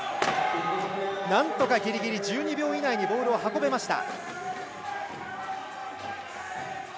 なんとかギリギリ１２秒以内にボールを運べました。